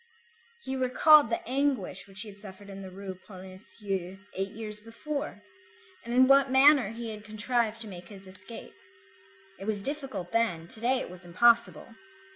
He recalled the anguish which he had suffered in the Rue Polonceau eight years before, and in what manner he had contrived to make his escape; it was difficult then, to day it was impossible.